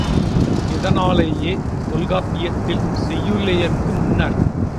இதனாலேயே, தொல்காப்பியத்தில் செய்யுளிற்கு முன்னர்